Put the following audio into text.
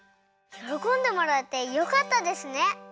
よろこんでもらえてよかったですね。